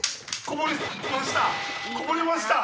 こぼれました！